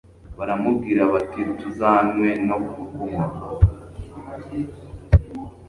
baramubwira bati tuzanywe no kukuboha